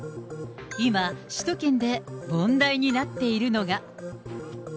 今、首都圏で問題になっているのが。